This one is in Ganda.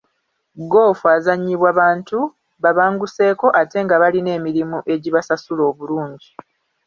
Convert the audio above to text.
Ggoofu azannyibwa bantu babanguseeko ate nga balina emirimu egibasasula obulungi.